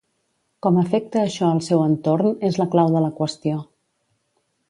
Com afecta això al seu entorn és la clau de la qüestió.